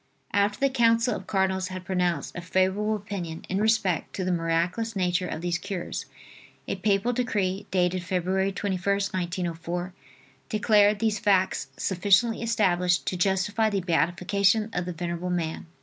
After the counsel of cardinals had pronounced a favorable opinion in respect to the miraculous nature of these cures, a papal decree, dated Feb. 21st, 1904, declared these facts sufficiently established to justify the beatification of the venerable man.